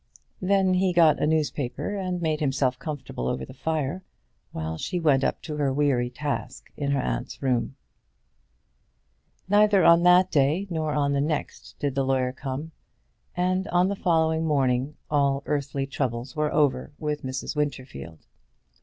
Then he got a newspaper and made himself comfortable over the fire, while she went up to her weary task in her aunt's room. Neither on that day nor on the next did the lawyer come, and on the following morning all earthly troubles were over with Mrs. Winterfield.